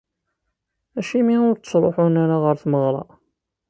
Acimi ur d-ttruḥun ara ɣer tmeɣra?